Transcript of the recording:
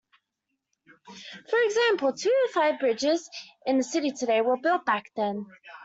For example, two of the five bridges in the city today were built back then.